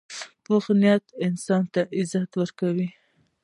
پوخ نیت انسان ته عزت ورکوي